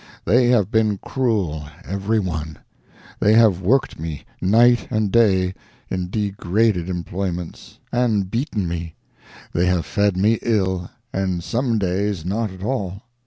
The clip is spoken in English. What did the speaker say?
They have been cruel, every one; they have worked me night and day in degraded employments, and beaten me; they have fed me ill, and some days not at all.